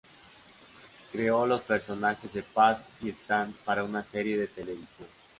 Creó los personajes de Pat y Stan para una serie de televisión.